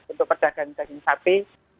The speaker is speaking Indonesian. untuk pedagang daging sapi